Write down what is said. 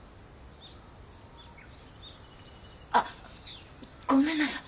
あっごめんなさい。